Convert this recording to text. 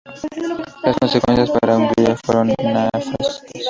Las consecuencias para Hungría fueron nefastas.